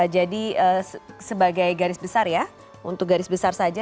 jadi sebagai garis besar ya untuk garis besar saja